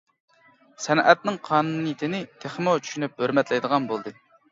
سەنئەتنىڭ قانۇنىيىتىنى تېخىمۇ چۈشىنىپ ھۆرمەتلەيدىغان بولدى.